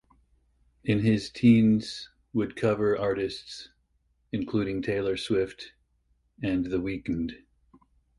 In his teens would cover artists including Taylor Swift and the Weeknd.